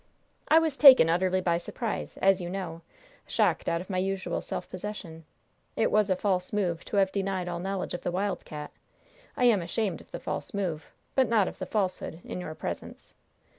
"I was taken utterly by surprise, as you know shocked out of my usual self possession. It was a false move to have denied all knowledge of the Wild Cat. I am ashamed of the false move, but not of the falsehood, in your presence.